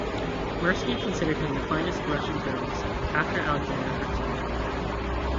Mirsky considered him the finest Russian journalist, after Alexander Herzen.